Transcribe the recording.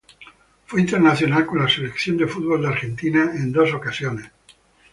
Fue internacional con la Selección de Fútbol de Argentina en dos oportunidades.